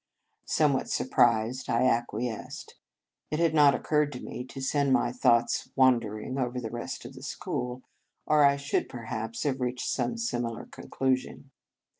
Somewhat surprised, I acquiesced. It had not occurred to me to send my thoughts wandering over the rest of the school, or I should, perhaps, have reached some similar conclusion.